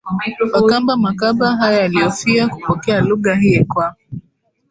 Wakamba Makaba haya yaliofia kupokea lugha hii kwa